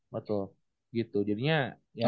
betul betul gitu jadinya ya